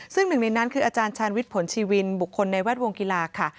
ซึ่งหนึ่งในนั้นคืออาจารย์ชาญวิทย์ผลชีวินบุคคลในแวดวงกีฬาค่ะ